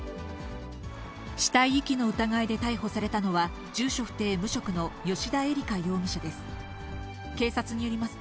死体遺棄の疑いで逮捕されたのは、住所不定無職の吉田絵里佳容疑者です。